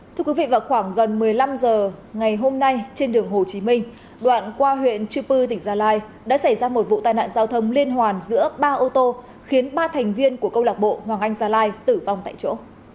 thưa quý vị vào khoảng gần một mươi năm h ngày hôm nay trên đường hồ chí minh đoạn qua huyện chư pư tỉnh gia lai đã xảy ra một vụ tai nạn giao thông liên hoàn giữa ba ô tô khiến ba thành viên của câu lạc bộ hoàng anh gia lai tử vong tại chỗ